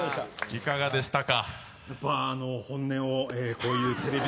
いかがでしたか？